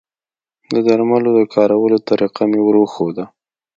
د درملو د کارولو طریقه مې وروښوده